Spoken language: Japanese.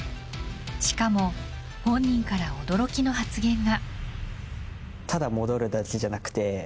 しかも本人から驚きの発言が。